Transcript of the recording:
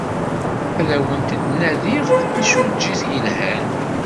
Ad awent-d-nadiɣ timsujjit yelhan.